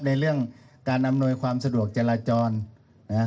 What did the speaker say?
ในเรื่องการอำนวยความสะดวกจราจรนะฮะ